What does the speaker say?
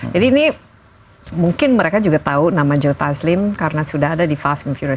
jadi ini mungkin mereka juga tahu nama joe taslim karena sudah ada di fast and furious